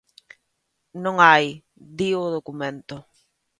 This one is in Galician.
Non a hai, dío o documento.